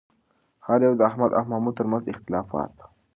هر یو د احمد او محمود ترمنځ اختلافات